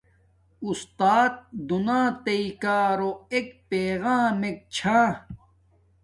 اُستات دیناتݵ کارو ایک پغمک چھا